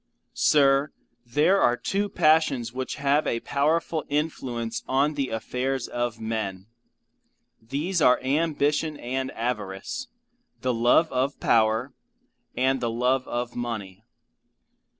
Sir, there are two passions which have a powerful influence on the affairs of men. These are ambition and avarice; the love of power, and the love of money.